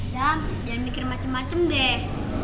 dam jangan mikir macem macem deh